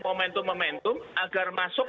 momentum momentum agar masuk